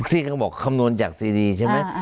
ที่เขาบอกคำนวณจากซีรีใช่ไหม